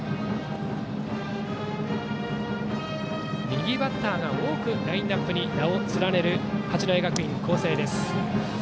右バッターが多くラインナップに名を連ねる八戸学院光星です。